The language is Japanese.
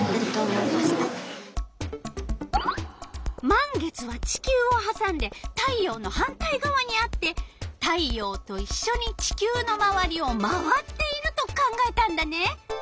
満月は地球をはさんで太陽の反対がわにあって太陽といっしょに地球のまわりを回っていると考えたんだね。